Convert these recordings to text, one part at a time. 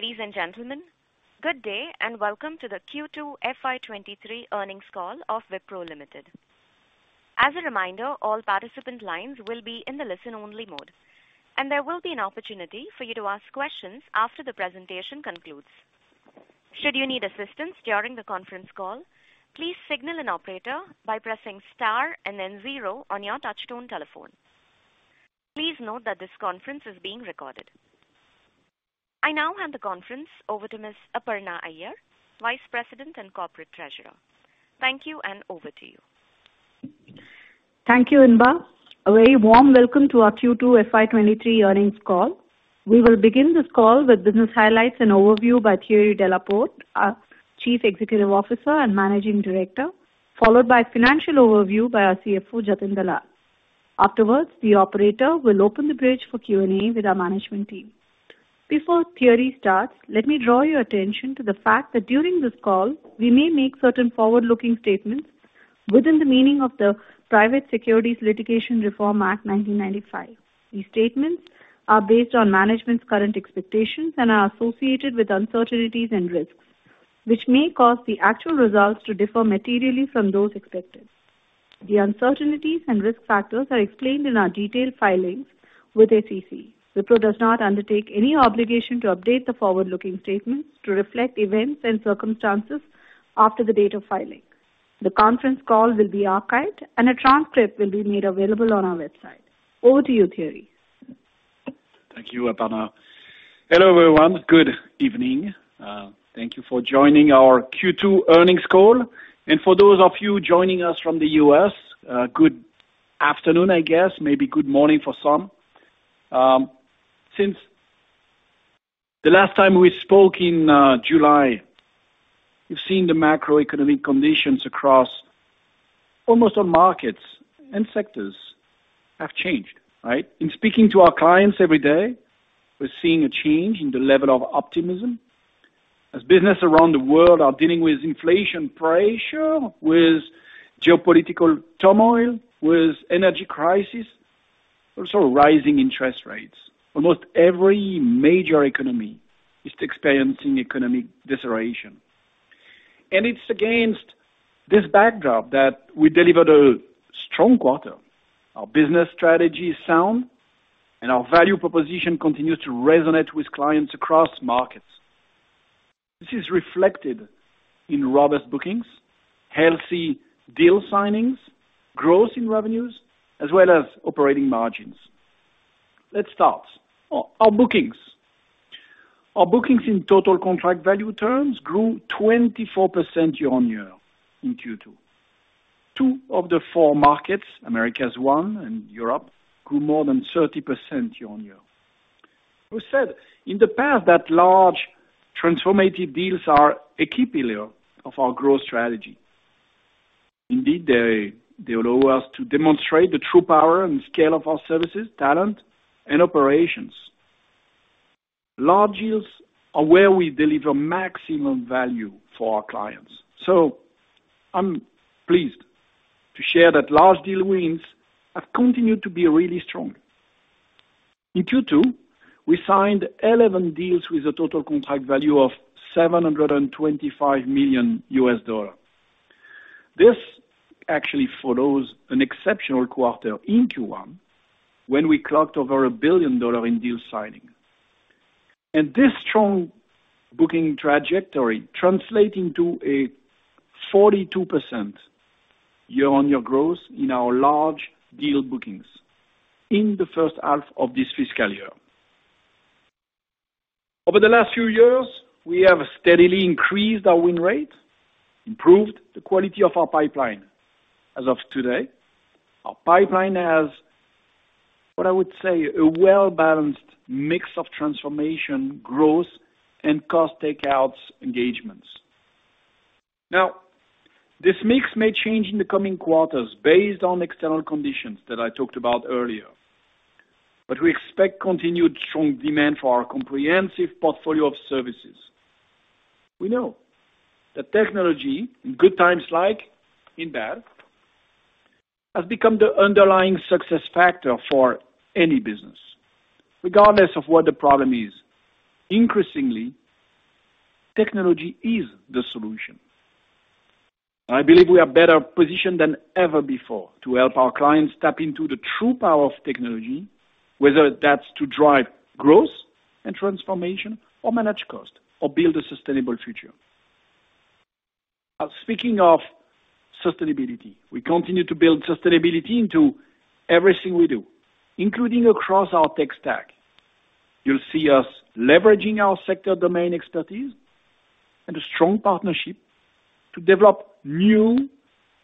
Ladies and gentlemen, good day and welcome to the Q2 FY 2023 earnings call of Wipro Limited. As a reminder, all participant lines will be in the listen-only mode, and there will be an opportunity for you to ask questions after the presentation concludes. Should you need assistance during the conference call, please signal an operator by pressing star and then zero on your touchtone telephone. Please note that this conference is being recorded. I now hand the conference over to Ms. Aparna Iyer, Vice President and Corporate Treasurer. Thank you, and over to you. Thank you, Inba. A very warm welcome to our Q2 FY 2023 earnings call. We will begin this call with business highlights and overview by Thierry Delaporte, our Chief Executive Officer and Managing Director, followed by financial overview by our CFO, Jatin Dalal. Afterwards, the operator will open the bridge for Q&A with our management team. Before Thierry starts, let me draw your attention to the fact that during this call, we may make certain forward-looking statements within the meaning of the Private Securities Litigation Reform Act 1995. These statements are based on management's current expectations and are associated with uncertainties and risks, which may cause the actual results to differ materially from those expected. The uncertainties and risk factors are explained in our detailed filings with SEC. Wipro does not undertake any obligation to update the forward-looking statements to reflect events and circumstances after the date of filing. The conference call will be archived and a transcript will be made available on our website. Over to you, Thierry. Thank you, Aparna. Hello, everyone. Good evening. Thank you for joining our Q2 earnings call. For those of you joining us from the U.S., good afternoon, I guess. Maybe good morning for some. Since the last time we spoke in July, you've seen the macroeconomic conditions across almost all markets and sectors have changed, right? In speaking to our clients every day, we're seeing a change in the level of optimism as business around the world are dealing with inflation pressure, with geopolitical turmoil, with energy crisis, also rising interest rates. Almost every major economy is experiencing economic deceleration. It's against this backdrop that we delivered a strong quarter. Our business strategy is sound, and our value proposition continues to resonate with clients across markets. This is reflected in robust bookings, healthy deal signings, growth in revenues, as well as operating margins. Let's start. Our bookings in total contract value terms grew 24% year-on-year in Q2. Two of the four markets, Americas 1 and Europe, grew more than 30% year-on-year. We said in the past that large transformative deals are a key pillar of our growth strategy. Indeed, they allow us to demonstrate the true power and scale of our services, talent, and operations. Large deals are where we deliver maximum value for our clients. I'm pleased to share that large deal wins have continued to be really strong. In Q2, we signed 11 deals with a total contract value of $725 million. This actually follows an exceptional quarter in Q1 when we clocked over $1 billion in deal signing. This strong booking trajectory translating to a 42% year-on-year growth in our large deal bookings in the first half of this fiscal year. Over the last few years, we have steadily increased our win rate, improved the quality of our pipeline. As of today, our pipeline has, what I would say, a well-balanced mix of transformation growth and cost takeouts engagements. Now, this mix may change in the coming quarters based on external conditions that I talked about earlier. We expect continued strong demand for our comprehensive portfolio of services. We know that technology, in good times like in bad, has become the underlying success factor for any business. Regardless of what the problem is, increasingly, technology is the solution. I believe we are better positioned than ever before to help our clients tap into the true power of technology, whether that's to drive growth and transformation or manage cost or build a sustainable future. Speaking of sustainability, we continue to build sustainability into everything we do, including across our tech stack. You'll see us leveraging our sector domain expertise and a strong partnership to develop new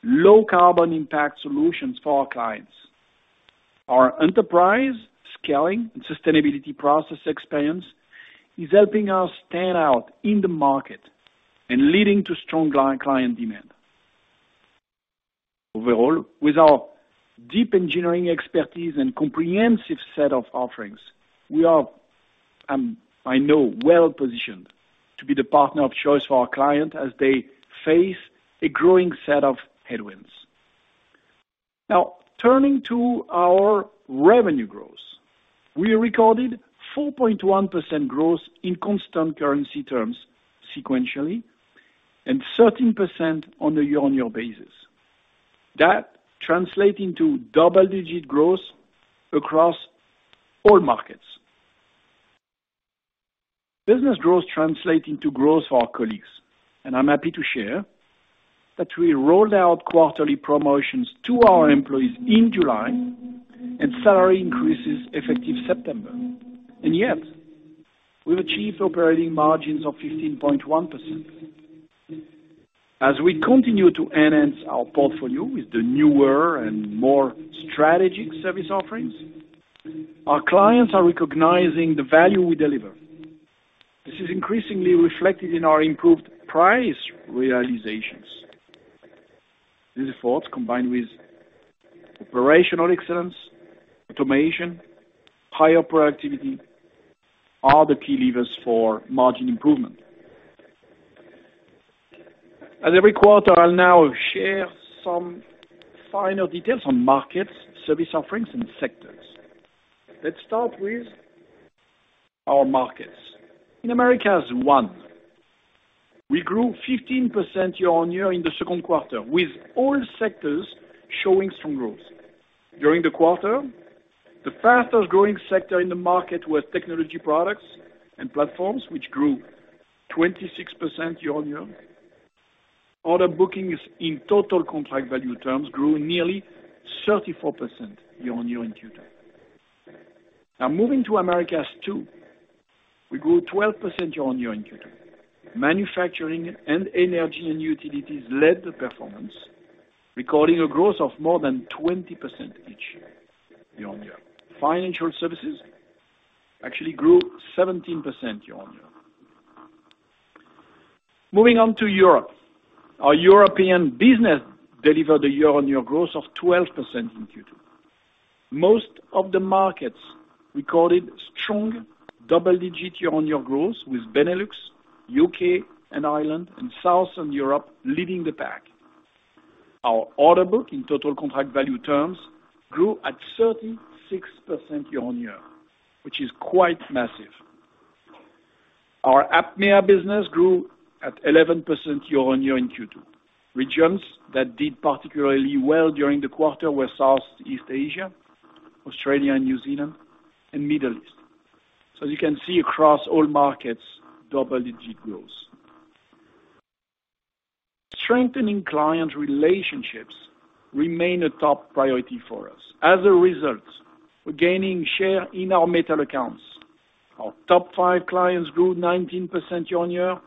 low carbon impact solutions for our clients. Our enterprise scaling and sustainability process experience is helping us stand out in the market and leading to strong client demand. Overall, with our deep engineering expertise and comprehensive set of offerings, we are well-positioned to be the partner of choice for our client as they face a growing set of headwinds. Now, turning to our revenue growth. We recorded 4.1% growth in constant currency terms sequentially, and 13% on a year-on-year basis. That translate into double-digit growth across all markets. Business growth translate into growth for our colleagues, and I'm happy to share that we rolled out quarterly promotions to our employees in July and salary increases effective September. Yet we've achieved operating margins of 15.1%. As we continue to enhance our portfolio with the newer and more strategic service offerings, our clients are recognizing the value we deliver. This is increasingly reflected in our improved price realizations. These efforts, combined with operational excellence, automation, higher productivity, are the key levers for margin improvement. As every quarter, I'll now share some final details on markets, service offerings, and sectors. Let's start with our markets. In Americas one, we grew 15% year-on-year in the second quarter, with all sectors showing strong growth. During the quarter, the fastest-growing sector in the market was technology products and platforms, which grew 26% year-on-year. Order bookings in total contract value terms grew nearly 34% year-on-year in Q2. Now moving to Americas two, we grew 12% year-on-year in Q2. Manufacturing and energy and utilities led the performance, recording a growth of more than 20% each year-on-year. Financial services actually grew 17% year-on-year. Moving on to Europe. Our European business delivered a year-on-year growth of 12% in Q2. Most of the markets recorded strong double-digit year-on-year growth, with Benelux, U.K. and Ireland, and Southern Europe leading the pack. Our order book in total contract value terms grew at 36% year-on-year, which is quite massive. Our APMEA business grew at 11% year-on-year in Q2. Regions that did particularly well during the quarter were Southeast Asia, Australia and New Zealand, and Middle East. You can see across all markets, double-digit growth. Strengthening client relationships remain a top priority for us. As a result, we're gaining share in our major accounts. Our top five clients grew 19% year-on-year.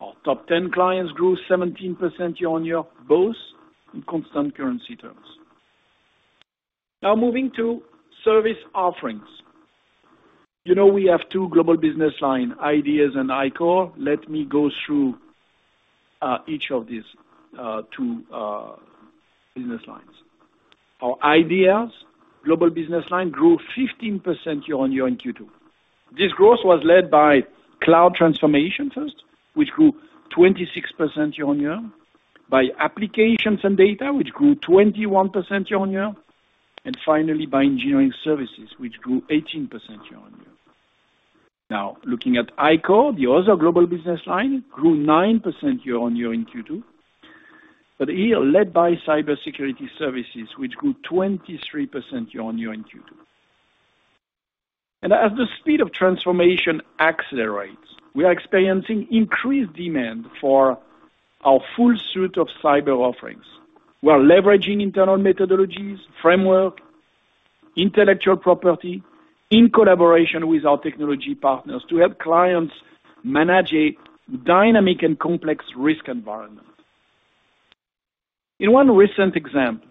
Our top ten clients grew 17% year-on-year, both in constant currency terms. Now moving to service offerings. You know we have two global business line, iDEASand iCORE. Let me go through each of these two business lines. Our Ideas global business line grew 15% year-on-year in Q2. This growth was led by cloud transformation first, which grew 26% year-on-year, by applications and data, which grew 21% year-on-year, and finally by engineering services, which grew 18% year-on-year. Now, looking at iCORE, the other global business line grew 9% year-over-year in Q2, but here led by cybersecurity services, which grew 23% year-over-year in Q2. As the speed of transformation accelerates, we are experiencing increased demand for our full suite of cyber offerings. We are leveraging internal methodologies, framework, intellectual property in collaboration with our technology partners to help clients manage a dynamic and complex risk environment. In one recent example,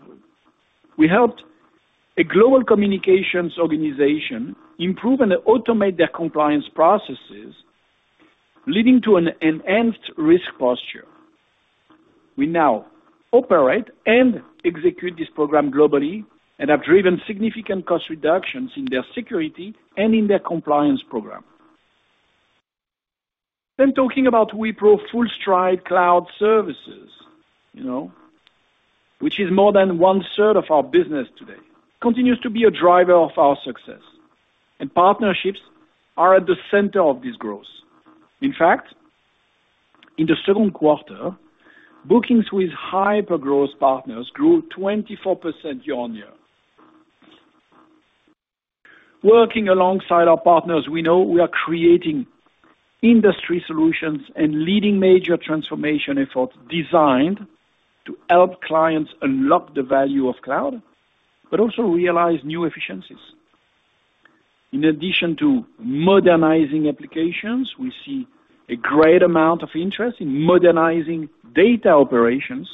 we helped a global communications organization improve and automate their compliance processes, leading to an enhanced risk posture. We now operate and execute this program globally and have driven significant cost reductions in their security and in their compliance program. Talking about Wipro FullStride Cloud Services, you know, which is more than one-third of our business today, continues to be a driver of our success. Partnerships are at the center of this growth. In fact, in the second quarter, bookings with hypergrowth partners grew 24% year-on-year. Working alongside our partners, we know we are creating industry solutions and leading major transformation efforts designed to help clients unlock the value of cloud, but also realize new efficiencies. In addition to modernizing applications, we see a great amount of interest in modernizing data operations.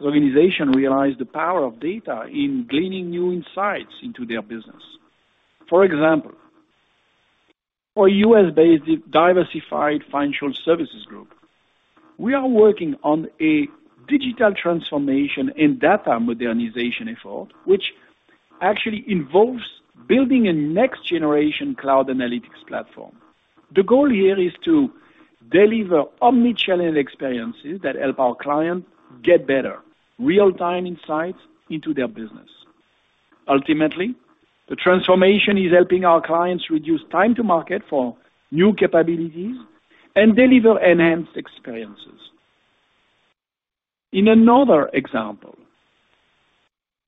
Organizations realize the power of data in gleaning new insights into their business. For example, for a U.S.-based diversified financial services group, we are working on a digital transformation and data modernization effort, which actually involves building a next generation cloud analytics platform. The goal here is to deliver omni-channel experiences that help our clients get better real-time insights into their business. Ultimately, the transformation is helping our clients reduce time to market for new capabilities and deliver enhanced experiences. In another example,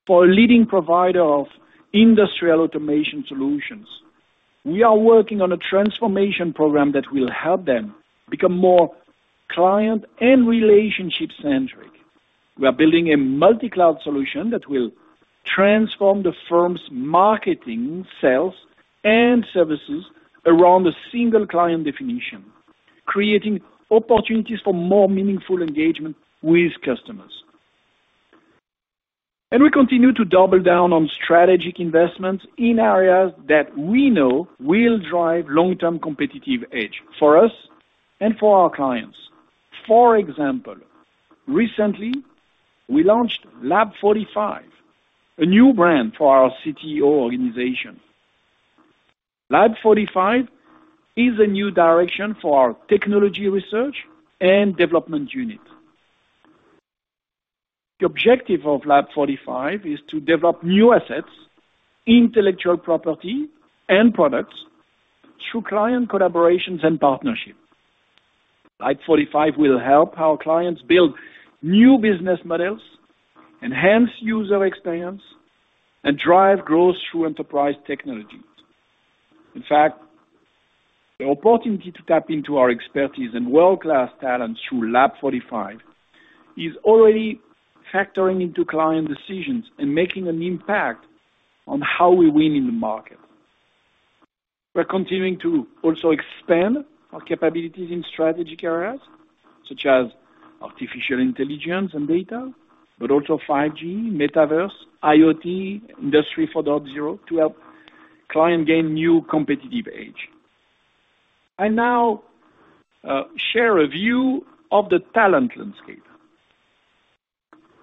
for a leading provider of industrial automation solutions, we are working on a transformation program that will help them become more client and relationship-centric. We are building a multi-cloud solution that will transform the firm's marketing, sales, and services around a single client definition, creating opportunities for more meaningful engagement with customers. We continue to double down on strategic investments in areas that we know will drive long-term competitive edge for us and for our clients. For example, recently we launched Lab45, a new brand for our CTO organization. Lab45 is a new direction for our technology research and development unit. The objective of Lab45 is to develop new assets, intellectual property and products through client collaborations and partnerships. Lab45 will help our clients build new business models, enhance user experience, and drive growth through enterprise technologies. In fact, the opportunity to tap into our expertise and world-class talents through Lab45 is already factoring into client decisions and making an impact on how we win in the market. We're continuing to also expand our capabilities in strategic areas such as artificial intelligence and data, but also 5G, metaverse, IoT, Industry 4.0 to help client gain new competitive edge. I now share a view of the talent landscape.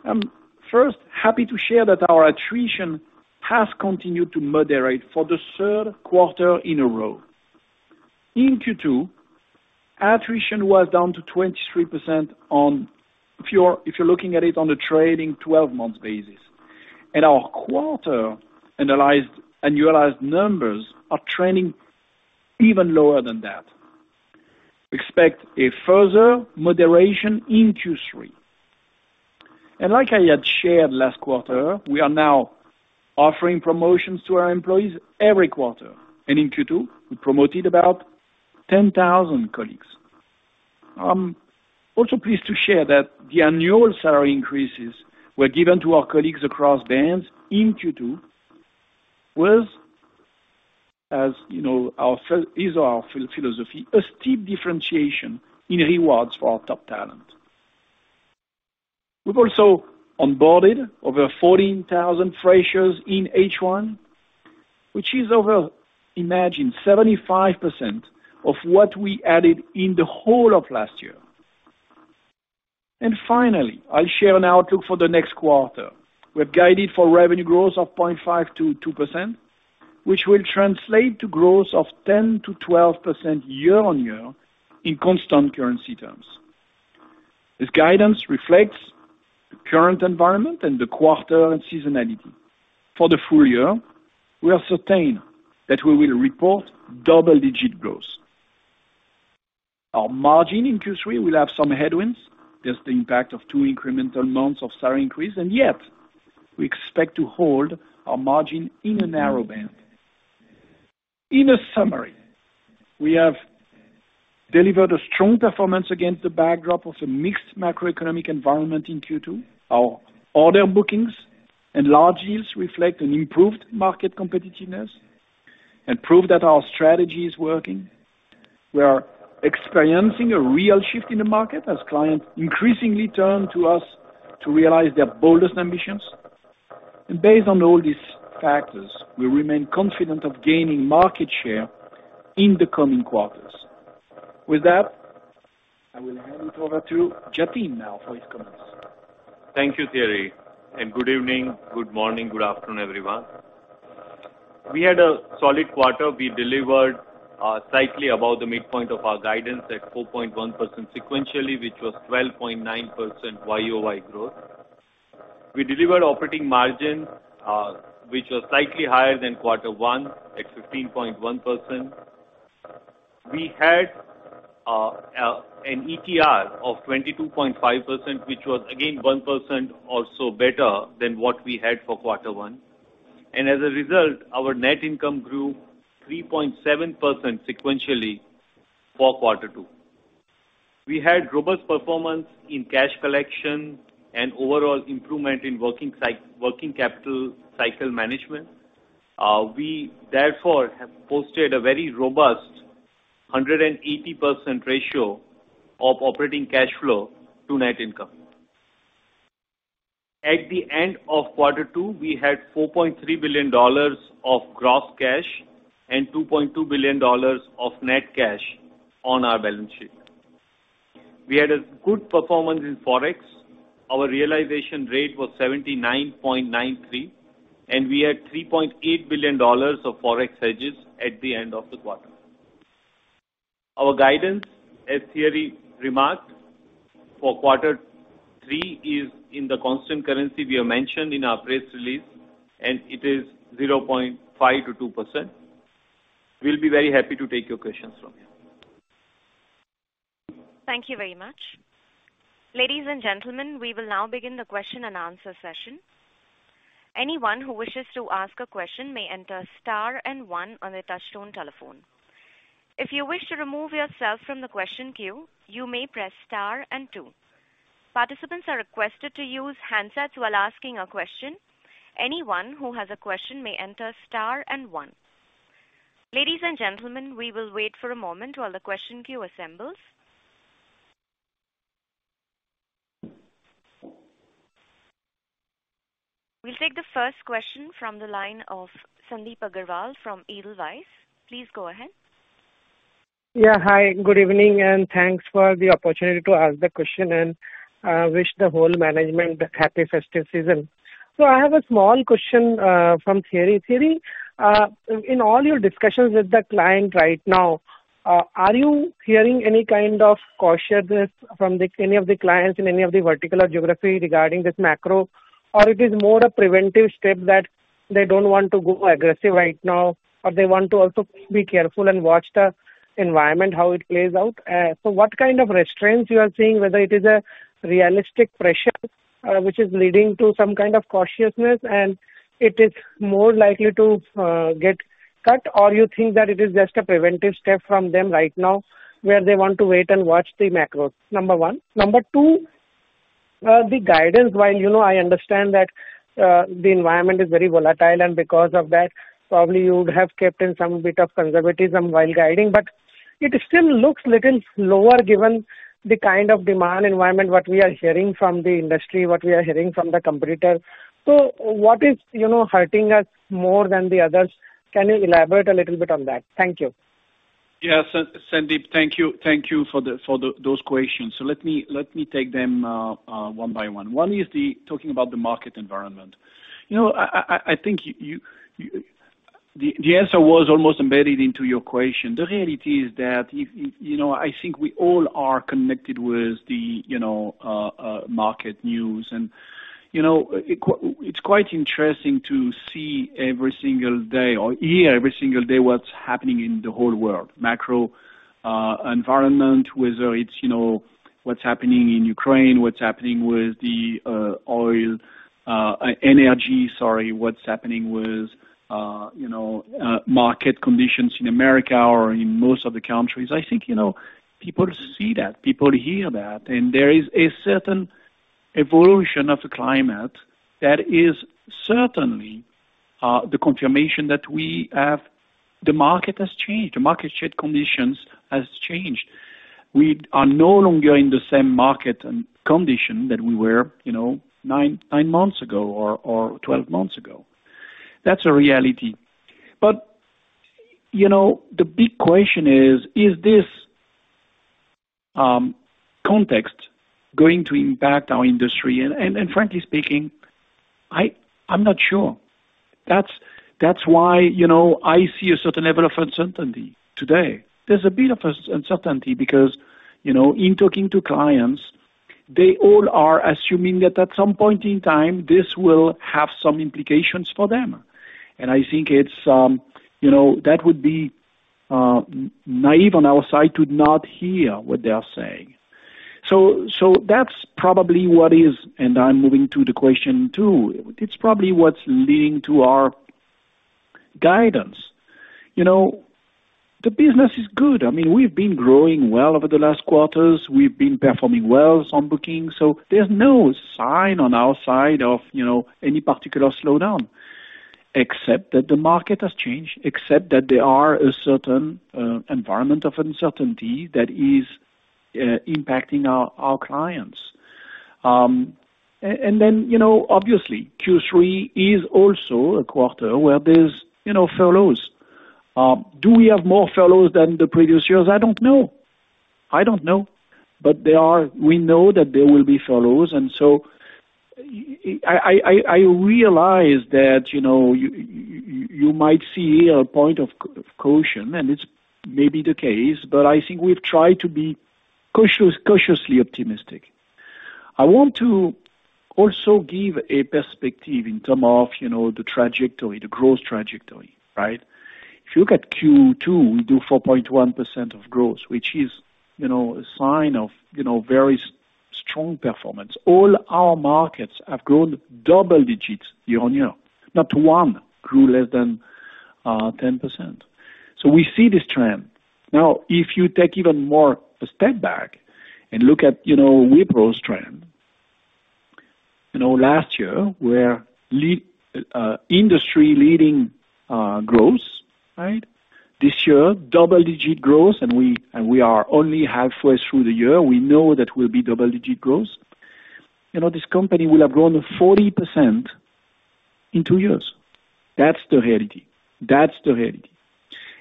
I'm first happy to share that our attrition has continued to moderate for the third quarter in a row. In Q2, attrition was down to 23% if you're looking at it on a trailing twelve months basis. Our annualized numbers are trending even lower than that. Expect a further moderation in Q3. Like I had shared last quarter, we are now offering promotions to our employees every quarter. In Q2 we promoted about 10,000 colleagues. I'm also pleased to share that the annual salary increases were given to our colleagues across bands in Q2 with, as you know, our philosophy, a steep differentiation in rewards for our top talent. We've also onboarded over 14,000 freshers in H1, which is over, imagine 75% of what we added in the whole of last year. Finally, I'll share an outlook for the next quarter. We've guided for revenue growth of 0.5%-2%, which will translate to growth of 10%-12% year-on-year in constant currency terms. This guidance reflects the current environment and the quarter and seasonality. For the full year, we are certain that we will report double-digit growth. Our margin in Q3 will have some headwinds. There's the impact of two incremental months of salary increase, and yet we expect to hold our margin in a narrow band. In a summary, we have delivered a strong performance against the backdrop of a mixed macroeconomic environment in Q2. Our order bookings and large deals reflect an improved market competitiveness and prove that our strategy is working. We are experiencing a real shift in the market as clients increasingly turn to us to realize their boldest ambitions. Based on all these factors, we remain confident of gaining market share in the coming quarters. With that, I will hand it over to Jatin now for his comments. Thank you, Thierry, and good evening, good morning, good afternoon, everyone. We had a solid quarter. We delivered slightly above the midpoint of our guidance at 4.1% sequentially, which was 12.9% YoY growth. We delivered operating margins, which were slightly higher than quarter one at 15.1%. We had an ETR of 22.5%, which was again 1% or so better than what we had for quarter one. As a result, our net income grew 3.7% sequentially for quarter two. We had robust performance in cash collection and overall improvement in working capital cycle management. We therefore have posted a very robust 180% ratio of operating cash flow to net income. At the end of quarter two, we had $4.3 billion of gross cash and $2.2 billion of net cash on our balance sheet. We had a good performance in Forex. Our realization rate was 79.93, and we had $3.8 billion of Forex hedges at the end of the quarter. Our guidance, as Thierry remarked, for quarter three is in the constant currency we have mentioned in our press release, and it is 0.5%-2%. We'll be very happy to take your questions from you. Thank you very much. Ladies and gentlemen, we will now begin the question-and-answer session. Anyone who wishes to ask a question may enter star and one on their touchtone telephone. If you wish to remove yourself from the question queue, you may press star and two. Participants are requested to use handsets while asking a question. Anyone who has a question may enter star and one. Ladies and gentlemen, we will wait for a moment while the question queue assembles. We'll take the first question from the line of Sandip Agarwal from Edelweiss. Please go ahead. Yeah. Hi, good evening, and thanks for the opportunity to ask the question, and wish the whole management happy festive season. I have a small question for Thierry. Thierry, in all your discussions with the clients right now, are you hearing any kind of cautiousness from any of the clients in any of the verticals or geographies regarding this macro? Or is it more a preventive step that they don't want to go aggressive right now, or they want to also be careful and watch the environment, how it plays out? What kind of restraints you are seeing, whether it is a realistic pressure which is leading to some kind of cautiousness, and it is more likely to get cut, or you think that it is just a preventive step from them right now where they want to wait and watch the macro? Number one. Number two, the guidance, while you know I understand that the environment is very volatile, and because of that, probably you would have kept in some bit of conservatism while guiding, but it still looks little lower given the kind of demand environment, what we are hearing from the industry, what we are hearing from the competitor. What is, you know, hurting us more than the others? Can you elaborate a little bit on that? Thank you. Sandip, thank you. Thank you for those questions. Let me take them one by one. One is the talking about the market environment. You know, I think you. The answer was almost embedded into your question. The reality is that if you know, I think we all are connected with the you know market news. You know, it's quite interesting to see every single day or hear every single day what's happening in the whole world. Macro environment, whether it's you know what's happening in Ukraine, what's happening with the oil energy, sorry, what's happening with you know market conditions in America or in most of the countries. I think, you know, people see that, people hear that, and there is a certain evolution of the climate that is certainly the confirmation that we have. The market has changed. The market share conditions has changed. We are no longer in the same market and condition that we were, you know, nine months ago or 12 months ago. That's a reality. You know, the big question is this context going to impact our industry? Frankly speaking, I'm not sure. That's why, you know, I see a certain level of uncertainty today. There's a bit of uncertainty because, you know, in talking to clients, they all are assuming that at some point in time, this will have some implications for them. I think it's, you know, that would be naive on our side to not hear what they are saying. That's probably what is. I'm moving to the question two. It's probably what's leading to our guidance. You know, the business is good. I mean, we've been growing well over the last quarters. We've been performing well on bookings. There's no sign on our side of, you know, any particular slowdown, except that the market has changed, except that there are a certain environment of uncertainty that is impacting our clients. And then, you know, obviously, Q3 is also a quarter where there's, you know, furloughs. Do we have more furloughs than the previous years? I don't know. There are. We know that there will be furloughs. I realize that, you know, you might see a point of caution, and it's maybe the case, but I think we've tried to be cautious, cautiously optimistic. I want to also give a perspective in term of, you know, the trajectory, the growth trajectory, right? If you look at Q2, we do 4.1% growth, which is, you know, a sign of, you know, very strong performance. All our markets have grown double digits year-on-year. Not one grew less than 10%. We see this trend. Now, if you take even more a step back and look at, you know, Wipro's trend, you know, last year we're industry-leading growth, right? This year, double-digit growth, and we are only halfway through the year. We know that we'll be double-digit growth. You know, this company will have grown 40% in two years. That's the reality.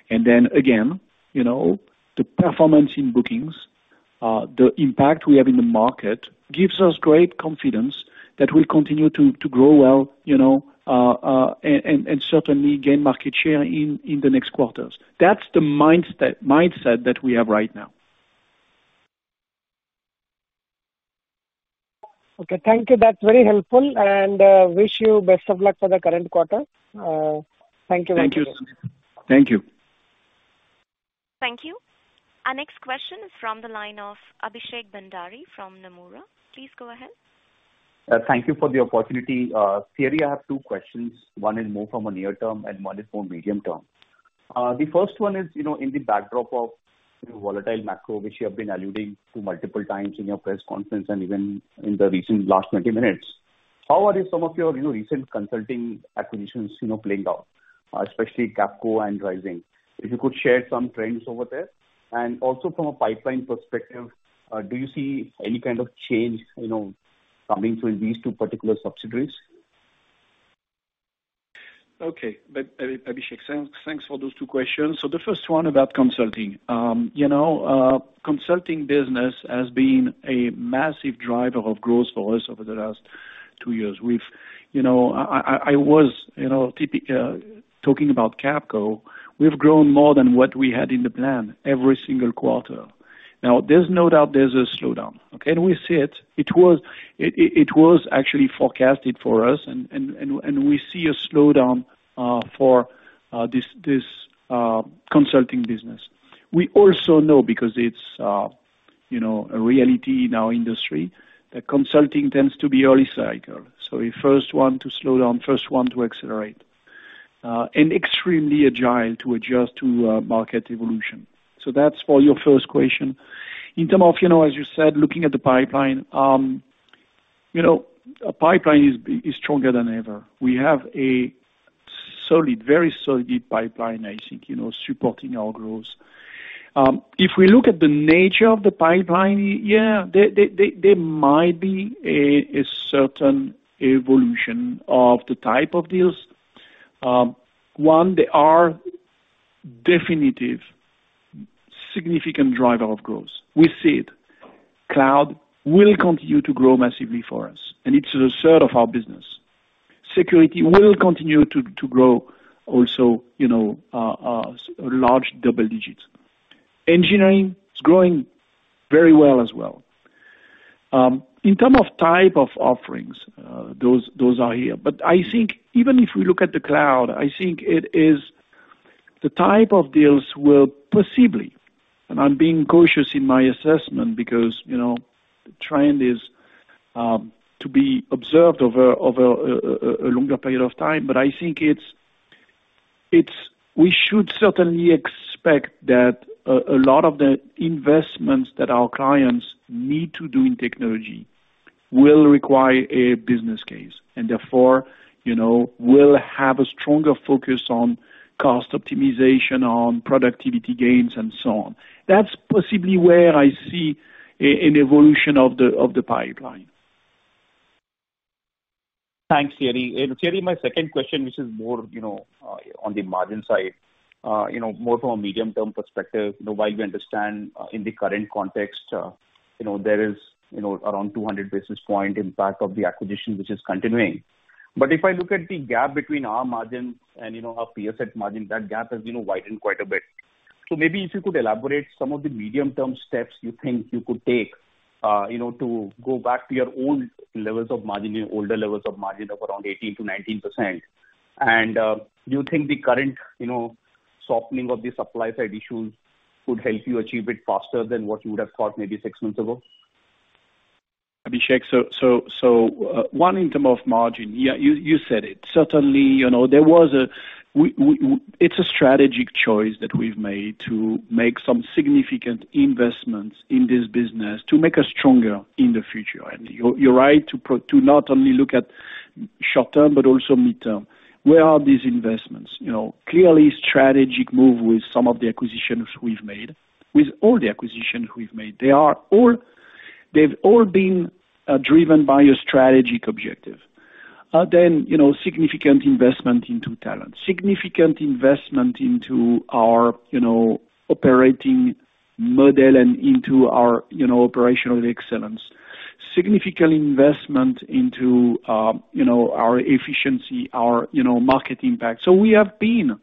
Then again, you know, the performance in bookings, the impact we have in the market gives us great confidence that we'll continue to grow well, you know, and certainly gain market share in the next quarters. That's the mindset that we have right now. Okay, thank you. That's very helpful. Wish you best of luck for the current quarter. Thank you very much. Thank you. Thank you. Our next question is from the line of Abhishek Bhandari from Nomura. Please go ahead. Thank you for the opportunity. Thierry, I have two questions. One is more from a near term and one is more medium term. The first one is, you know, in the backdrop of volatile macro, which you have been alluding to multiple times in your press conference and even in the recent last twenty minutes. How are some of your, you know, recent consulting acquisitions, you know, playing out, especially Capco and Rizing? If you could share some trends over there. Also from a pipeline perspective, do you see any kind of change, you know, coming through these two particular subsidiaries? Okay. Abhishek, thanks for those two questions. The first one about consulting. Consulting business has been a massive driver of growth for us over the last two years. We've you know I was you know talking about Capco, we've grown more than what we had in the plan every single quarter. Now, there's no doubt there's a slowdown. Okay. We see it. It was actually forecasted for us and we see a slowdown for this consulting business. We also know, because it's a reality in our industry, that consulting tends to be early cycle, so a first one to slow down, first one to accelerate and extremely agile to adjust to market evolution. That's for your first question. In terms of, you know, as you said, looking at the pipeline, you know, our pipeline is stronger than ever. We have a solid, very solid pipeline, I think, you know, supporting our growth. If we look at the nature of the pipeline, yeah, there might be a certain evolution of the type of deals. One, they are a definite, significant driver of growth. We see it. Cloud will continue to grow massively for us, and it's 1/3 of our business. Security will continue to grow also, you know, in large double digits. Engineering is growing very well as well. In terms of type of offerings, those are here. I think even if we look at the cloud, I think it is the type of deals will possibly, and I'm being cautious in my assessment because, you know, the trend is to be observed over a longer period of time. I think we should certainly expect that a lot of the investments that our clients need to do in technology will require a business case, and therefore, you know, will have a stronger focus on cost optimization, on productivity gains, and so on. That's possibly where I see an evolution of the pipeline. Thanks, Thierry. Thierry, my second question, which is more, you know, on the margin side, you know, more from a medium-term perspective. You know, while we understand, in the current context, you know, there is, you know, around 200 basis points impact of the acquisition which is continuing. If I look at the gap between our margins and, you know, our peer set margin, that gap has, you know, widened quite a bit. Maybe if you could elaborate some of the medium-term steps you think you could take, you know, to go back to your own levels of margin, older levels of margin of around 18%-19%. Do you think the current, you know, softening of the supply side issues would help you achieve it faster than what you would have thought maybe six months ago? Abhishek, so in terms of margin, yeah, you said it. Certainly, you know, it's a strategic choice that we've made to make some significant investments in this business to make us stronger in the future. You're right to not only look at short term, but also mid-term. Where are these investments? You know, clearly strategic move with some of the acquisitions we've made, with all the acquisitions we've made. They've all been driven by a strategic objective. Then, you know, significant investment into talent, significant investment into our operating model and into our operational excellence. Significant investment into our efficiency, our market impact. So we have been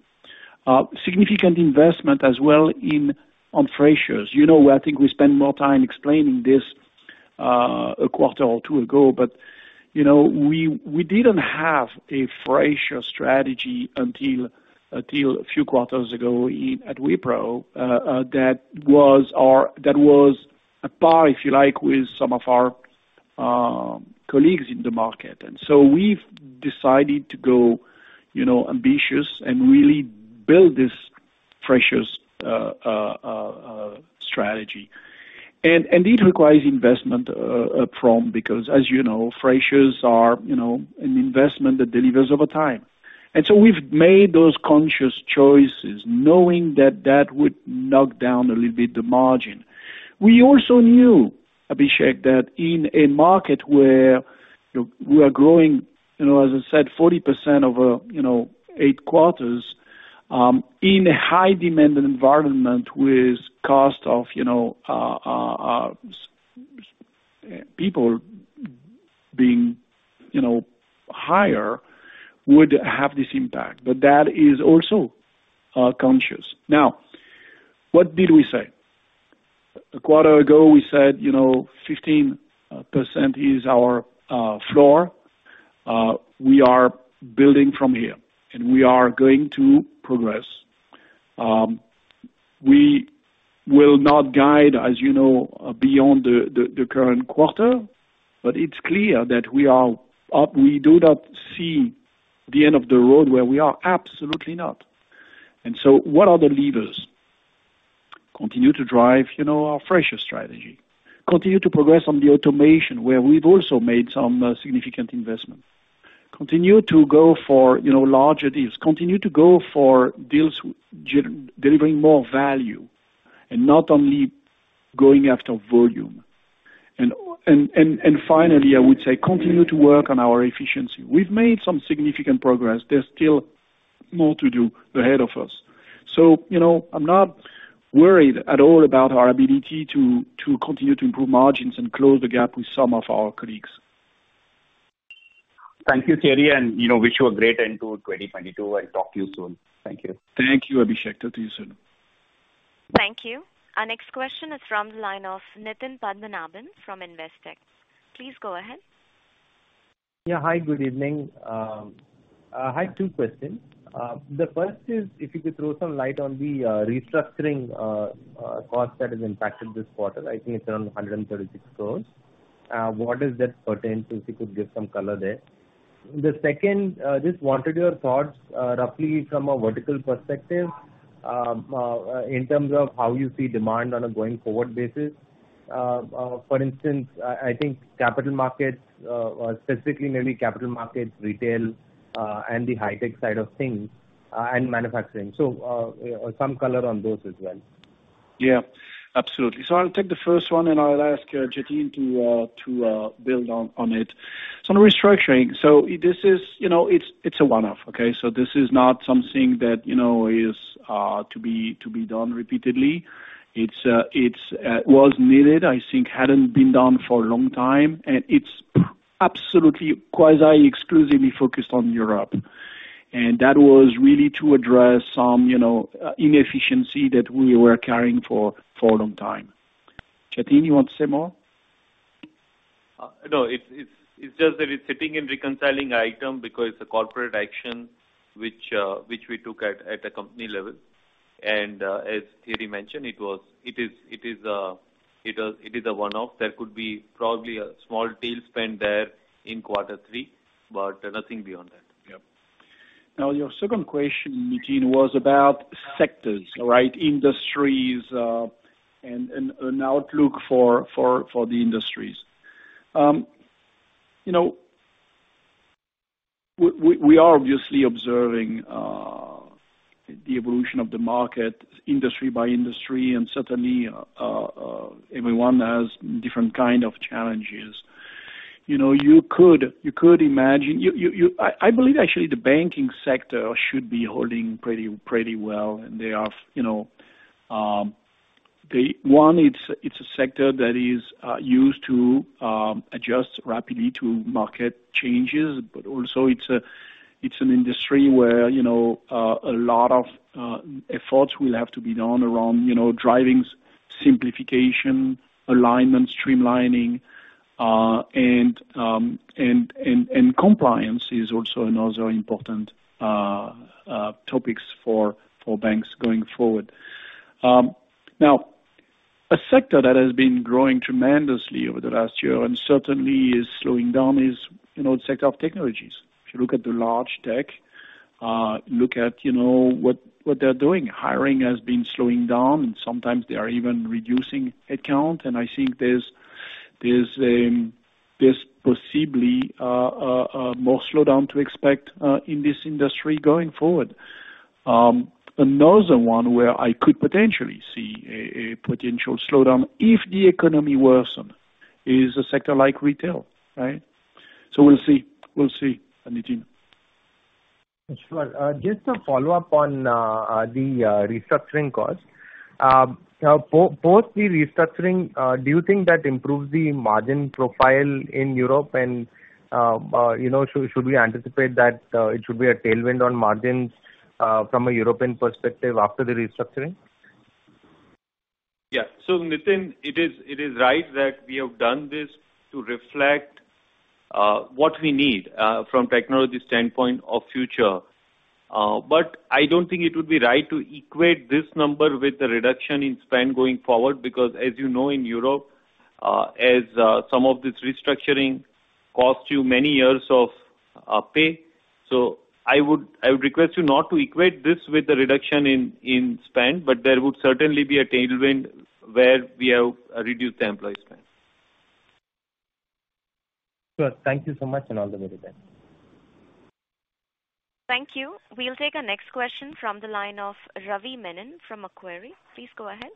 significant investment as well in freshers. You know, I think we spent more time explaining this, a quarter or two ago, but, you know, we didn't have a fresher strategy until a few quarters ago at Wipro, that was at par, if you like, with some of our colleagues in the market. We've decided to go, you know, ambitious and really build this freshers strategy. It requires investment because, as you know, freshers are, you know, an investment that delivers over time. We've made those conscious choices knowing that that would knock down a little bit the margin. We also knew, Abhishek, that in a market where we are growing, as I said, 40% over eight quarters, in a high demand environment with cost of people being higher would have this impact. That is also conscious. Now, what did we say? A quarter ago, we said, 15% is our floor. We are building from here, and we are going to progress. We will not guide, as you know, beyond the current quarter, but it's clear that we are up. We do not see the end of the road where we are. Absolutely not. What are the levers? Continue to drive our fresher strategy. Continue to progress on the automation, where we've also made some significant investments. Continue to go for, you know, larger deals. Continue to go for deals delivering more value and not only going after volume. Finally, I would say continue to work on our efficiency. We've made some significant progress. There's still more to do ahead of us. You know, I'm not worried at all about our ability to continue to improve margins and close the gap with some of our colleagues. Thank you, Thierry. You know, wish you a great end to 2022, and talk to you soon. Thank you. Thank you, Abhishek. Talk to you soon. Thank you. Our next question is from the line of Nitin Padmanabhan from Investec. Please go ahead. Yeah. Hi, good evening. I have two questions. The first is if you could throw some light on the restructuring cost that has impacted this quarter. I think it's around 136 crore. What does that pertain to? If you could give some color there. The second, just wanted your thoughts, roughly from a vertical perspective, in terms of how you see demand on a going forward basis. For instance, I think capital markets, or specifically maybe capital markets, retail, and the high tech side of things, and manufacturing. Some color on those as well. Yeah, absolutely. I'll take the first one, and I'll ask Jatin to build on it. The restructuring. This is a one-off, okay? This is not something that is to be done repeatedly. It was needed. I think hadn't been done for a long time. It's absolutely quasi exclusively focused on Europe. That was really to address some inefficiency that we were carrying for a long time. Jatin, you want to say more? No, it's just that it's sitting in reconciling item because the corporate action which we took at a company level, and as Thierry mentioned, it is a one-off. There could be probably a small tail spend there in quarter three, but nothing beyond that. Yeah. Now, your second question, Nitin, was about sectors, right? Industries, and an outlook for the industries. You know, we are obviously observing the evolution of the market, industry by industry, and certainly everyone has different kind of challenges. You know, you could imagine. I believe actually the banking sector should be holding pretty well and they are, you know, they. It's a sector that is used to adjust rapidly to market changes, but also it's an industry where, you know, a lot of efforts will have to be done around, you know, driving simplification, alignment, streamlining, and compliance is also another important topic for banks going forward. Now, a sector that has been growing tremendously over the last year and certainly is slowing down is, you know, the sector of technologies. If you look at the large tech, you know, what they're doing. Hiring has been slowing down and sometimes they are even reducing headcount. I think there's possibly a more slowdown to expect in this industry going forward. Another one where I could potentially see a potential slowdown if the economy worsen is a sector like retail, right? We'll see, Nitin. Sure. Just a follow-up on the restructuring cost. Post the restructuring, do you think that improves the margin profile in Europe? You know, should we anticipate that it should be a tailwind on margins from a European perspective after the restructuring? Yeah. Nitin, it is right that we have done this to reflect what we need from technology standpoint of future. But I don't think it would be right to equate this number with the reduction in spend going forward. Because as you know, in Europe, some of this restructuring cost you many years of pay. I would request you not to equate this with the reduction in spend, but there would certainly be a tailwind where we have reduced the employee spend. Sure. Thank you so much, and all the very best. Thank you. We'll take our next question from the line of Ravi Menon from Macquarie. Please go ahead.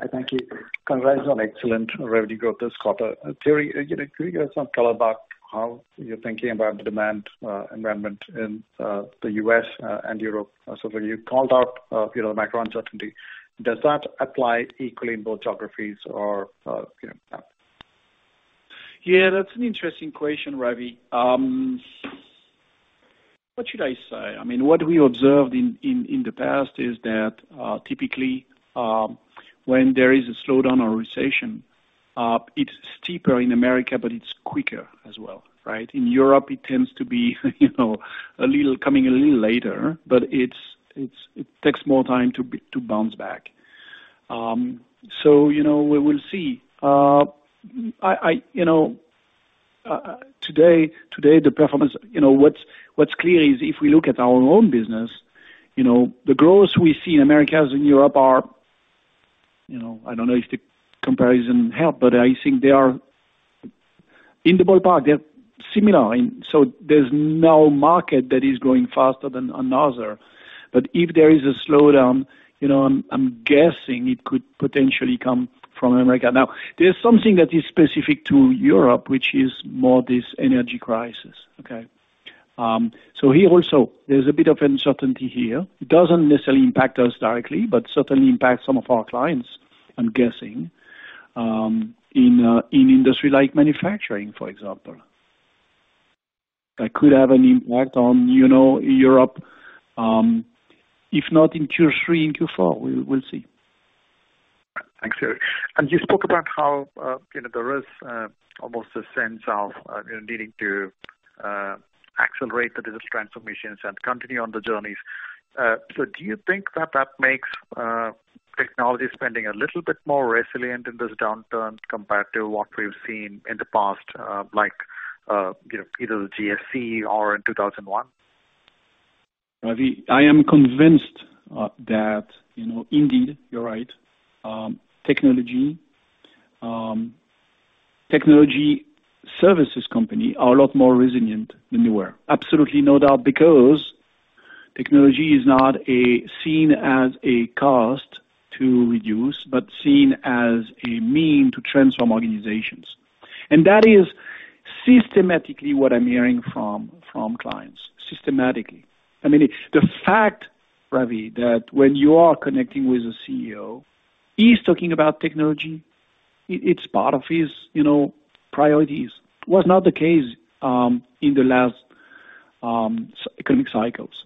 Hi. Thank you. Congrats on excellent revenue growth this quarter. Thierry, could you give some color about how you're thinking about the demand environment in the U.S. and Europe? When you called out, you know, macro uncertainty, does that apply equally in both geographies or, you know? Yeah, that's an interesting question, Ravi. What should I say? I mean, what we observed in the past is that typically, when there is a slowdown or recession, it's steeper in America, but it's quicker as well, right? In Europe, it tends to be, you know, a little coming a little later, but it takes more time to bounce back. You know, we will see. I you know, today the performance, you know, what's clear is if we look at our own business, you know, the growth we see in Americas and Europe are, you know, I don't know if the comparison help, but I think they are in the ballpark. They're similar. There's no market that is growing faster than another. If there is a slowdown, you know, I'm guessing it could potentially come from America. Now, there's something that is specific to Europe, which is more this energy crisis, okay? Here also, there's a bit of uncertainty here. Doesn't necessarily impact us directly, but certainly impacts some of our clients, I'm guessing, in industry like manufacturing, for example. That could have an impact on, you know, Europe, if not in Q3, in Q4. We'll see. Thanks, Thierry. You spoke about how, you know, there is almost a sense of, you know, needing to accelerate the business transformations and continue on the journeys. Do you think that makes technology spending a little bit more resilient in this downturn compared to what we've seen in the past, like, you know, either the GFC or in 2001? Ravi, I am convinced that, you know, indeed, you're right. Technology services companies are a lot more resilient than they were. Absolutely no doubt because technology is not seen as a cost to reduce, but seen as a means to transform organizations. That is systematically what I'm hearing from clients. I mean, the fact, Ravi, that when you are connecting with a CEO, he's talking about technology. It's part of his, you know, priorities. It was not the case in the last economic cycles.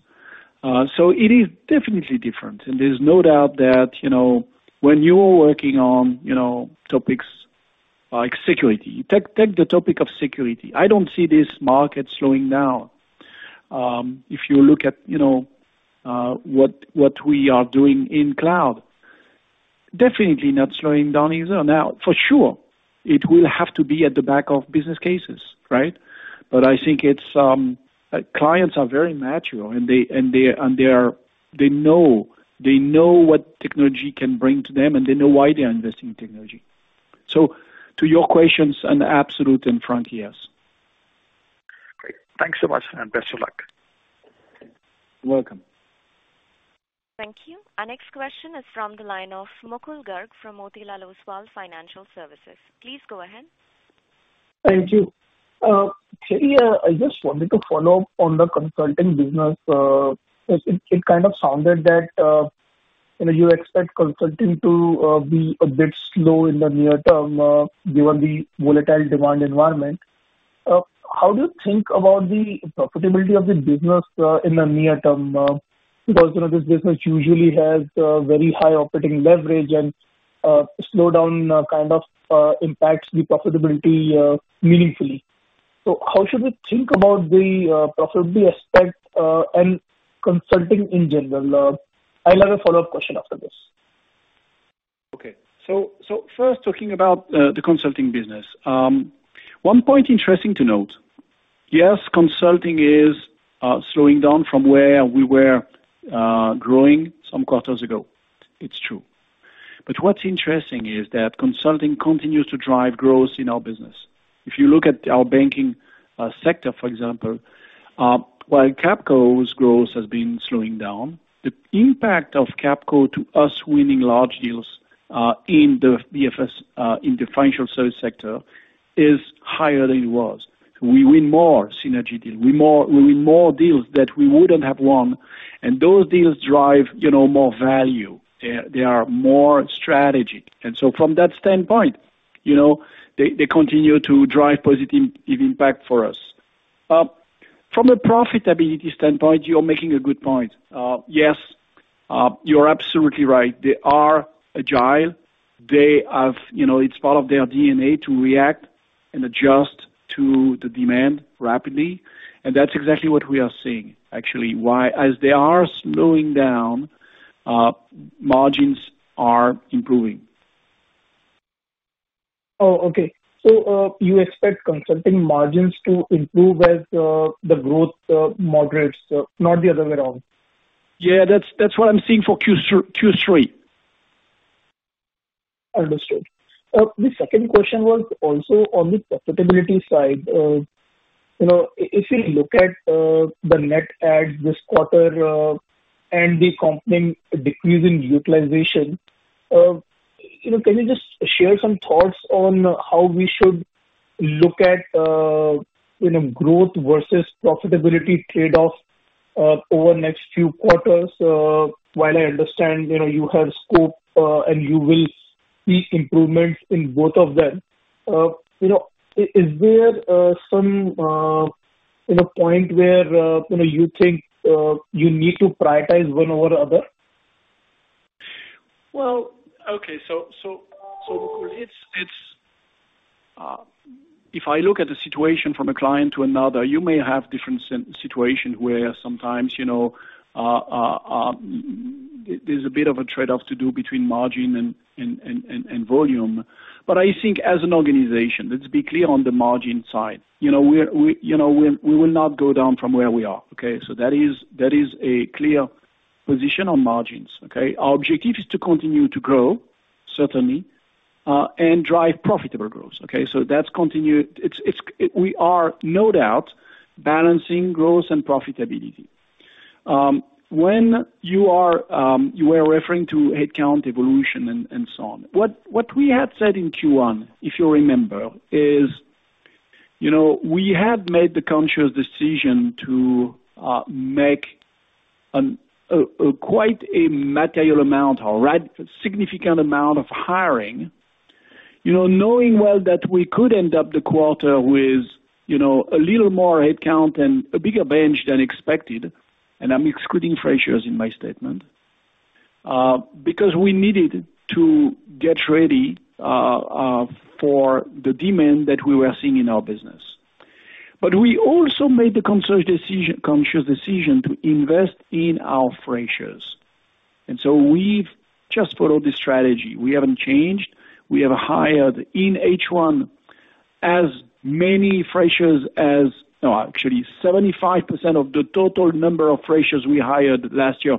It is definitely different. There's no doubt that, you know, when you're working on, you know, topics like security. Take the topic of security. I don't see this market slowing down. If you look at, you know, what we are doing in cloud, definitely not slowing down either. Now, for sure, it will have to be at the back of business cases, right? I think clients are very natural, and they know what technology can bring to them, and they know why they are investing in technology. To your questions, an absolute and frank yes. Great. Thanks so much, and best of luck. Welcome. Thank you. Our next question is from the line of Mukul Garg from Motilal Oswal Financial Services. Please go ahead. Thank you. Thierry, I just wanted to follow up on the consulting business. It kind of sounded that you know you expect consulting to be a bit slow in the near term given the volatile demand environment. How do you think about the profitability of the business in the near term because you know this business usually has very high operating leverage and slow down kind of impacts the profitability meaningfully. How should we think about the profitability aspect and consulting in general? I'll have a follow-up question after this. First talking about the consulting business. One point interesting to note. Yes, consulting is slowing down from where we were growing some quarters ago. It's true. What's interesting is that consulting continues to drive growth in our business. If you look at our banking sector, for example, while Capco's growth has been slowing down, the impact of Capco to us winning large deals in the BFS in the financial services sector is higher than it was. We win more synergy deals. We win more deals that we wouldn't have won, and those deals drive, you know, more value. They are more strategic. From that standpoint, you know, they continue to drive positive impact for us. From a profitability standpoint, you're making a good point. Yes, you're absolutely right. They are agile. They have, you know, it's part of their DNA to react and adjust to the demand rapidly, and that's exactly what we are seeing. Actually, as they are slowing down, margins are improving. Oh, okay. You expect consulting margins to improve as the growth moderates, not the other way around? Yeah. That's what I'm seeing for Q3. Understood. The second question was also on the profitability side. You know, if you look at the net adds this quarter and the accompanying decrease in utilization, you know, can you just share some thoughts on how we should look at, you know, growth versus profitability trade-off over the next few quarters? While I understand, you know, you have scope and you will see improvements in both of them, you know, is there some, you know, point where, you know, you think you need to prioritize one over the other? Okay. Mukul, it's if I look at the situation from a client to another, you may have different situation where sometimes, you know, there's a bit of a trade-off to do between margin and volume. I think as an organization, let's be clear on the margin side. You know, we will not go down from where we are, okay? That is a clear position on margins, okay? Our objective is to continue to grow, certainly, and drive profitable growth, okay? That's continued. We are no doubt balancing growth and profitability. When you were referring to headcount evolution and so on. What we had said in Q1, if you remember, is, you know, we had made the conscious decision to make a quite material amount or significant amount of hiring, you know, knowing well that we could end up the quarter with, you know, a little more headcount and a bigger bench than expected, and I'm excluding freshers in my statement, because we needed to get ready for the demand that we were seeing in our business. We also made the conscious decision to invest in our freshers. We've just followed the strategy. We haven't changed. We have hired in H1 as many freshers as... No, actually 75% of the total number of freshers we hired last year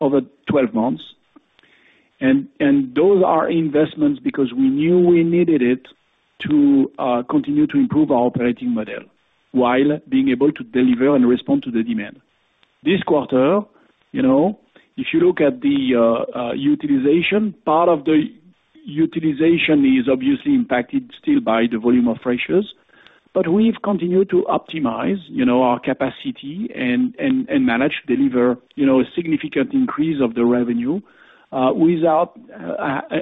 over 12 months, and those are investments because we knew we needed it to continue to improve our operating model while being able to deliver and respond to the demand. This quarter, you know, if you look at the utilization, part of the utilization is obviously impacted still by the volume of freshers. We've continued to optimize, you know, our capacity and manage to deliver, you know, a significant increase of the revenue without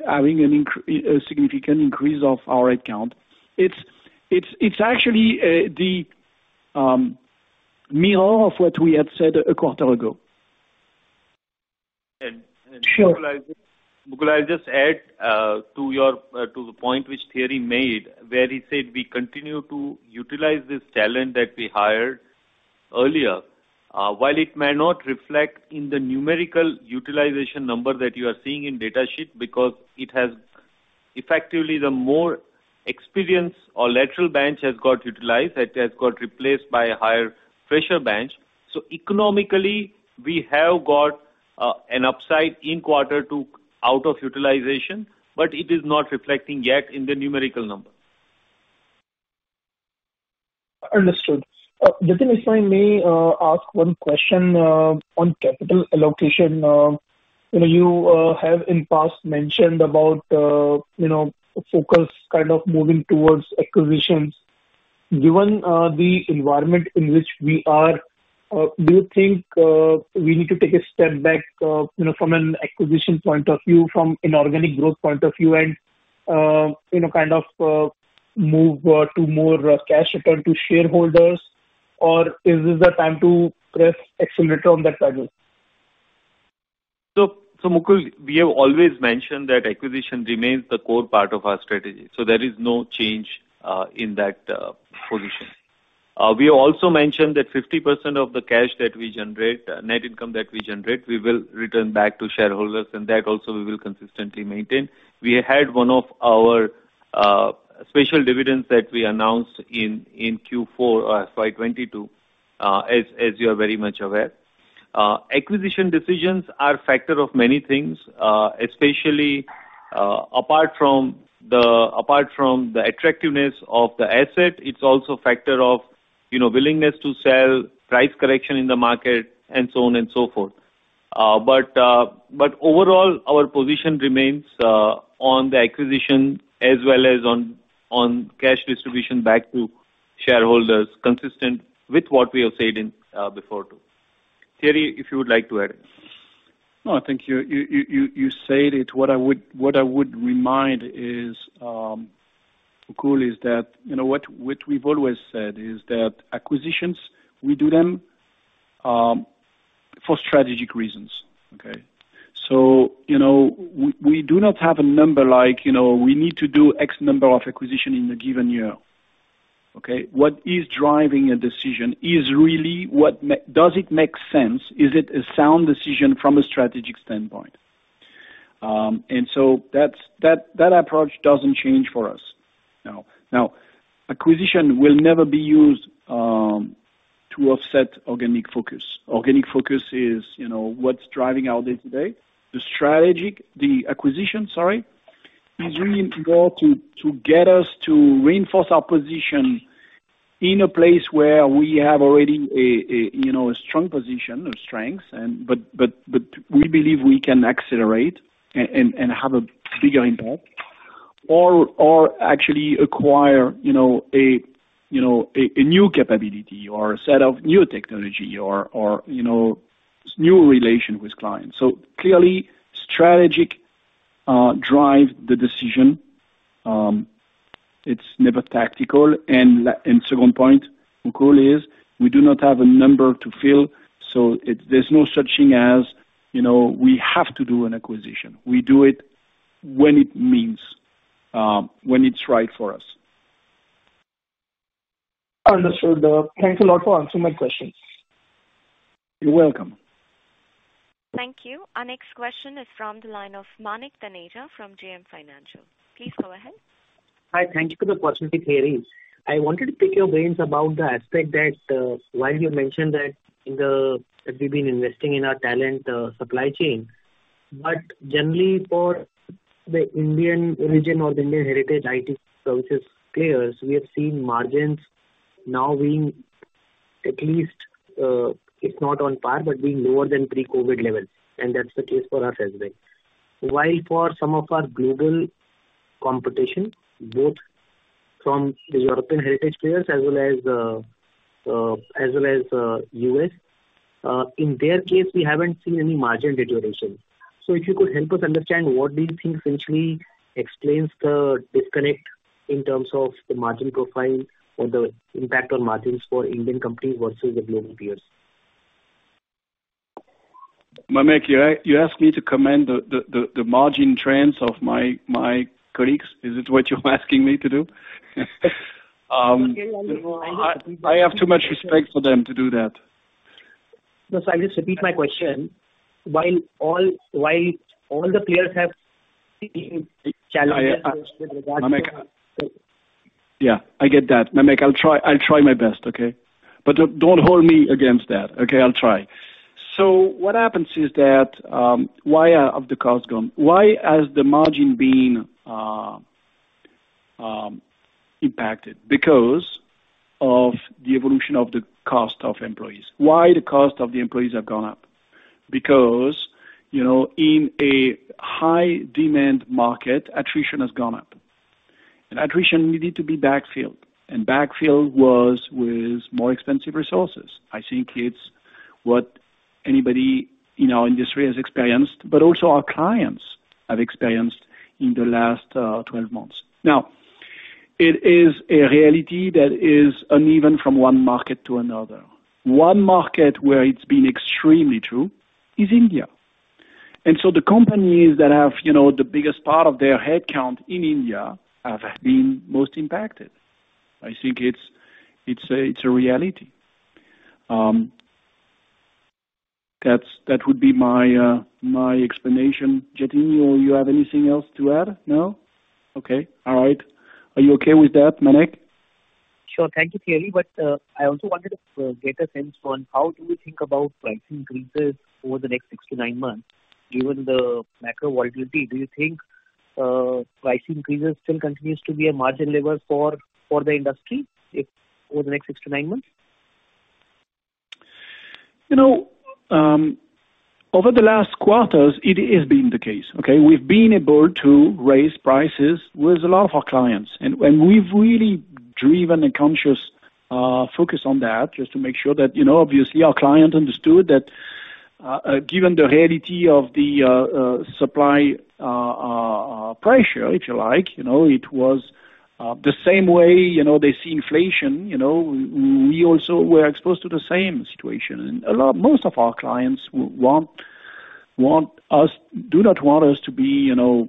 having a significant increase of our headcount. It's actually the mirror of what we had said a quarter ago. Sure. Mukul, I'll just add to the point which Thierry made, where he said we continue to utilize this talent that we hired earlier. While it may not reflect in the numerical utilization number that you are seeing in data sheet because it has effectively the more experienced or lateral bench has got utilized, that has got replaced by a higher fresher bench. Economically, we have got an upside in quarter two out of utilization, but it is not reflecting yet in the numerical number. Understood. Jatin, if I may, ask one question on capital allocation. You know, you have in past mentioned about, you know, focus kind of moving towards acquisitions. Given the environment in which we are, do you think we need to take a step back, you know, from an acquisition point of view, from an organic growth point of view and, you know, kind of move to more cash return to shareholders? Or is this the time to press accelerator on that pedal? Mukul, we have always mentioned that acquisition remains the core part of our strategy, so there is no change in that position. We also mentioned that 50% of the cash that we generate, net income that we generate, we will return back to shareholders, and that also we will consistently maintain. We had one of our special dividends that we announced in Q4 FY 2022, as you are very much aware. Acquisition decisions are a factor of many things, especially apart from the attractiveness of the asset, it's also a factor of, you know, willingness to sell, price correction in the market and so on and so forth. Overall, our position remains on the acquisition as well as on cash distribution back to shareholders, consistent with what we have said in before too. Thierry, if you would like to add. No, I think you said it. What I would remind is, Mukul, is that, you know, what we've always said is that acquisitions, we do them, for strategic reasons, okay? You know, we do not have a number like, you know, we need to do X number of acquisition in a given year, okay? What is driving a decision is really what does it make sense? Is it a sound decision from a strategic standpoint? That approach doesn't change for us. Now, acquisition will never be used to offset organic focus. Organic focus is, you know, what's driving our day-to-day. The acquisition, sorry, is really involved to get us to reinforce our position in a place where we have already a, you know, a strong position or strengths. We believe we can accelerate and have a bigger impact or actually acquire, you know, a new capability or a set of new technology or, you know, some new relation with clients. Clearly, strategy drives the decision. It's never tactical. Second point, the goal is we do not have a number to fill, so there's no such thing as, you know, we have to do an acquisition. We do it when it's right for us. Understood, though. Thanks a lot for answering my question. You're welcome. Thank you. Our next question is from the line of Manik Taneja from JM Financial. Please go ahead. Hi. Thank you for the opportunity, Thierry. I wanted to pick your brains about the aspect that, while you mentioned that we've been investing in our talent, supply chain, but generally for the Indian region or the Indian heritage IT services players, we have seen margins now being at least, if not on par, but being lower than pre-COVID levels, and that's the case for us as well. While for some of our global competition, both from the European heritage players as well as U.S., in their case, we haven't seen any margin deterioration. If you could help us understand what do you think essentially explains the disconnect in terms of the margin profile or the impact on margins for Indian companies versus the global peers? Manik, you asked me to comment the margin trends of my colleagues. Is it what you're asking me to do? Okay. Let me rephrase. I have too much respect for them to do that. No. I'll just repeat my question. While all the players have seen challenges. I, uh- with regards to the Manik. Yeah, I get that. Manik, I'll try my best, okay? But don't hold me against that, okay? I'll try. What happens is that why have the costs gone? Why has the margin been impacted? Because of the evolution of the cost of employees. Why the cost of the employees have gone up? Because, you know, in a high demand market, attrition has gone up, and attrition needed to be backfilled, and backfilled was with more expensive resources. I think it's what anybody in our industry has experienced but also our clients have experienced in the last 12 months. Now, it is a reality that is uneven from one market to another. One market where it's been extremely true is India. The companies that have, you know, the biggest part of their headcount in India have been most impacted. I think it's a reality. That's that would be my explanation. Jatin, you have anything else to add? No? Okay. All right. Are you okay with that, Manik? Sure. Thank you, Thierry. I also wanted to get a sense on how do you think about price increases over the next six to nine months, given the macro volatility. Do you think price increases still continues to be a margin lever for the industry over the next six to nine months? You know, over the last quarters it has been the case, okay? We've been able to raise prices with a lot of our clients. We've really driven a conscious focus on that just to make sure that, you know, obviously our client understood that, given the reality of the supply pressure, if you like, you know, it was the same way, you know, they see inflation, you know, we also were exposed to the same situation. Most of our clients do not want us to be, you know,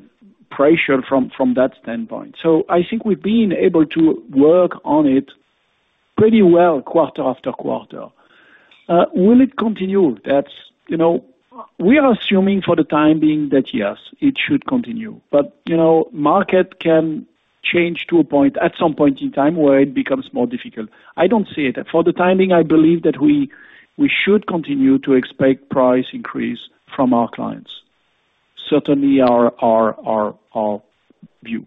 pressured from that standpoint. I think we've been able to work on it pretty well quarter after quarter. Will it continue? That's you know. We are assuming for the time being that, yes, it should continue. You know, market can change to a point, at some point in time, where it becomes more difficult. I don't see it. For the timing, I believe that we should continue to expect price increase from our clients. Certainly our view.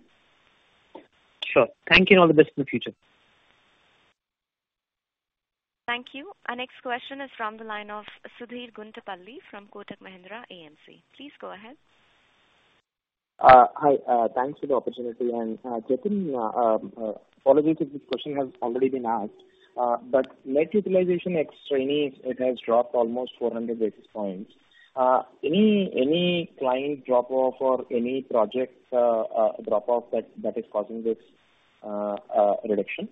Sure. Thank you, and all the best in the future. Thank you. Our next question is from the line of Sudheer Guntupalli from Kotak Mahindra AMC. Please go ahead. Hi. Thanks for the opportunity. Jatin, apologies if this question has already been asked, but net utilization ex-trainees, it has dropped almost 400 basis points. Any client drop-off or any project drop-off that is causing this reduction?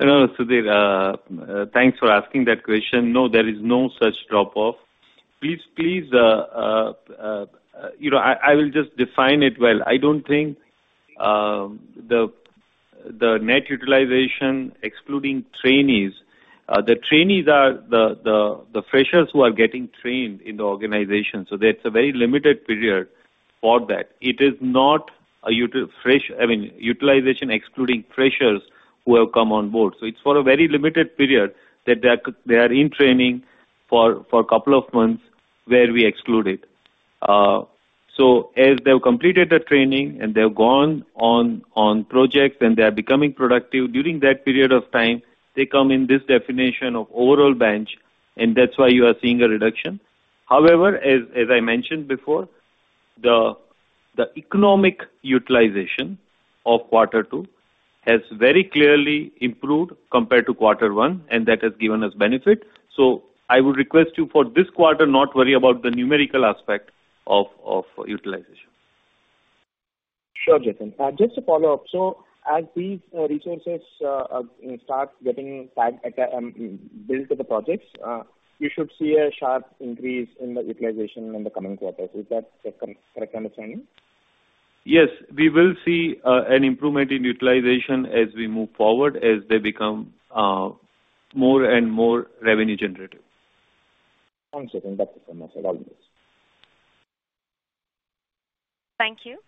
No, Sudheer. Thanks for asking that question. No, there is no such drop-off. Please, you know, I will just define it well. I don't think the net utilization excluding trainees. The trainees are the freshers who are getting trained in the organization, so that's a very limited period. For that. It is not utilization excluding freshers who have come on board. It's for a very limited period that they are in training for a couple of months where we exclude it. As they've completed the training and they've gone on projects and they are becoming productive, during that period of time, they come in this definition of overall bench, and that's why you are seeing a reduction. However, as I mentioned before, the economic utilization of quarter two has very clearly improved compared to quarter one, and that has given us benefit. I would request you for this quarter not worry about the numerical aspect of utilization. Sure, Jatin. Just to follow up. As these resources start getting tagged, billed to the projects, you should see a sharp increase in the utilization in the coming quarters. Is that the correct understanding? Yes. We will see an improvement in utilization as we move forward, as they become more and more revenue generative. Thanks, Jatin. That's it from us. Thank you.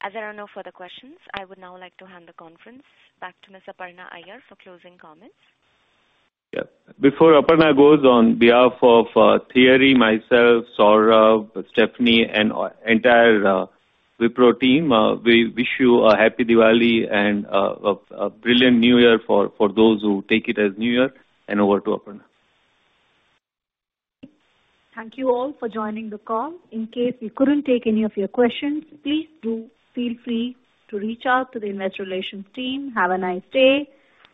As there are no further questions, I would now like to hand the conference back to Miss Aparna Iyer for closing comments. Yeah. Before Aparna goes, on behalf of Thierry, myself, Saurabh, Stephanie, and our entire Wipro team, we wish you a happy Diwali and a brilliant new year for those who take it as New Year. Over to Aparna. Thank you all for joining the call. In case we couldn't take any of your questions, please do feel free to reach out to the investor relations team. Have a nice day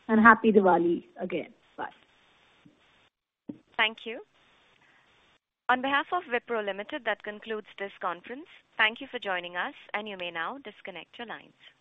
and happy Diwali again. Bye. Thank you. On behalf of Wipro Limited, that concludes this conference. Thank you for joining us, and you may now disconnect your lines.